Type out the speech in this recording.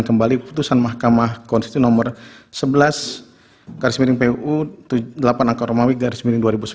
kembali keputusan mahkamah konsisi nomor sebelas garis miling phpu delapan angka romawi garis miling